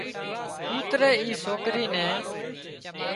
ڪوتري اِي سوڪري نين